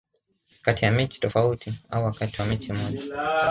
kati ya mechi tofauti au wakati wa mechi moja